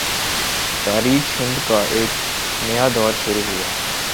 تاریخ ہند کا ایک نیا دور شروع ہوا